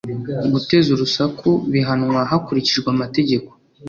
guteza urusaku bihanwa hakurikijwe amategeko